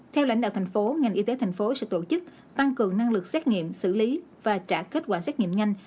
theo lãnh đạo thành phố ngành y tế thành phố sẽ tổ chức tăng cường năng lực xét nghiệm xử lý và trả kết quả xét nghiệm nhanh